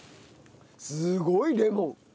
すごいレモン！